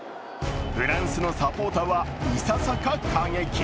フランスのサポーターはいささか過激。